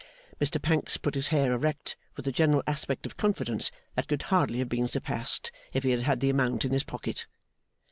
Mr Pancks put his hair erect with a general aspect of confidence that could hardly have been surpassed, if he had had the amount in his pocket.